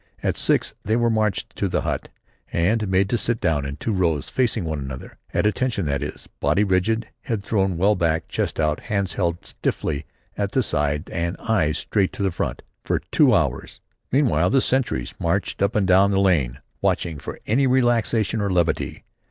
At six they were marched to the hut and made to sit down in two rows facing one another, at attention that is, body rigid, head thrown well back, chest out, hands held stiffly at the sides and eyes straight to the front for two hours! Meanwhile the sentries marched up and down the lane, watching for any relaxation or levity.